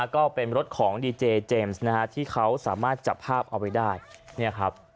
ก็เป็นรถของดีเจเจมส์ที่เขาสามารถจับภาพเอาไว้ได้